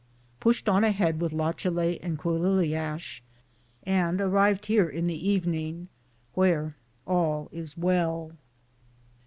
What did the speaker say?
Pushed on ahead with Lachalet and Quilliliash, and arrived here in the evening, where all is well.